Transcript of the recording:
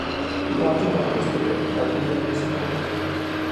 读到这段文字的人要天天开心哦